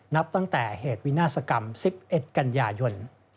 นับตั้งแต่เหตุวินาศกรรมสิบเอ็ดกัญญายนต์